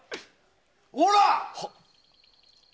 ほら！